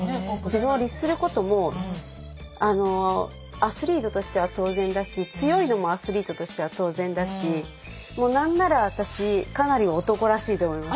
自分を律することもアスリートとしては当然だし強いのもアスリートとしては当然だしもう何なら私かなり男らしいと思います。